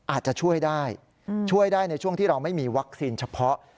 อาจจะช่วยได้ช่วยได้ในช่วงที่เราไม่มีวัคซีนเฉพาะ